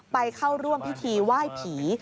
ไปเข้าร่วมพิธีไหว้ผี